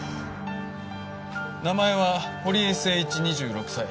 名前は堀江誠一２６歳。